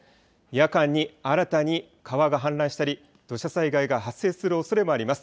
夜間に新たに川が氾濫したり、土砂災害が発生するおそれがあります。